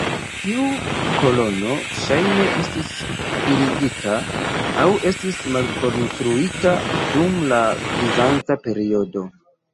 Tiu kolono ŝajne estis faligita aŭ estis malkonstruita dum la bizanca periodo.